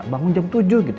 bangun jam tujuh gitu ya